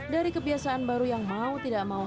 dari kebiasaan baru yang mau tidak mau